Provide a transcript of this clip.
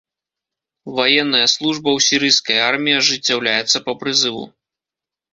Ваенная служба ў сірыйскай арміі ажыццяўляецца па прызыву.